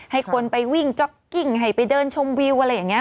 ให้คนไปวิ่งจ๊อกกิ้งให้ไปเดินชมวิวอะไรอย่างนี้